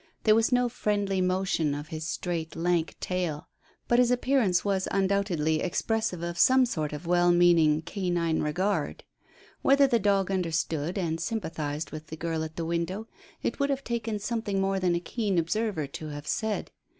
There was no friendly motion of his straight, lank tail; but his appearance was undoubtedly expressive of some sort of well meaning, canine regard. Whether the dog understood and sympathized with the girl at the window it would have taken something more than a keen observer to have said.